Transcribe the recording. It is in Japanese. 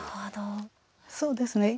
そうですね。